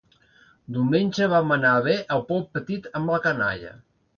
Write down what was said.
Diumenge vam anar a ver el Pot Petit amb la canalla